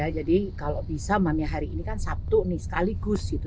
jadi kalau bisa mami hari ini kan sabtu nih sekaligus gitu